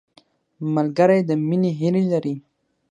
ملګری د مینې هیلې لري